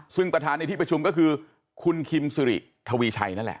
ซึ่งประธานในที่ประชุมก็คือคุณคิมสิริทวีชัยนั่นแหละ